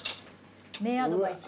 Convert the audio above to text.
名アドバイス。